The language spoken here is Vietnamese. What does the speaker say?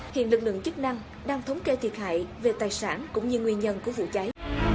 hiện lực lượng chức năng đang thống kê thiệt hại về tài sản cũng như nguyên nhân của vụ cháy